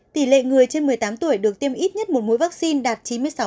tỷ lệ người trên một mươi tám tuổi được tiêm ít nhất một mũi vaccine đạt chín mươi sáu